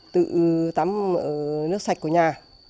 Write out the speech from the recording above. tự tắm nước sạch của nhà